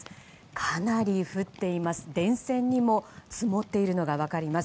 かなり降っています。